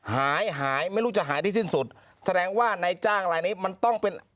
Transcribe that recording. หายหายไม่รู้จะหายที่สิ้นสุดแสดงว่านายจ้างลายนี้มันต้องเป็น